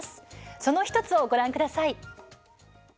その１つをご覧ください。